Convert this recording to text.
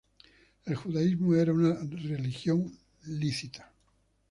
El judaísmo era una religión lícita.